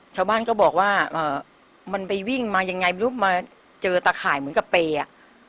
ชาวบ้านก็บอกว่ามันไปวิ่งมายังไงไม่รู้มาเจอตะข่ายเหมือนกับเปย์อ่ะ